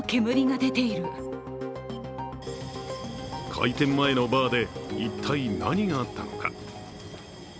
開店前のバーで一体何があったのか。